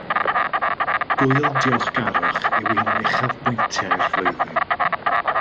Gŵyl diolchgarwch yw un o uchafbwyntiau'r flwyddyn